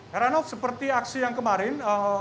heranov seperti aksi yang kemarin